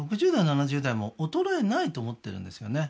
６０代７０代も衰えないと思ってるんですよね